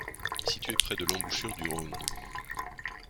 Située près de l'embouchure du Rhône.